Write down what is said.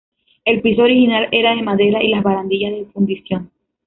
El piso original era de madera y las barandillas de fundición.